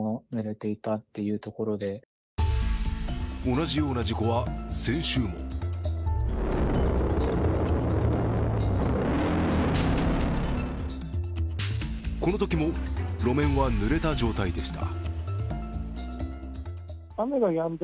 同じような事故は、先週もこのときも路面はぬれた状態でした。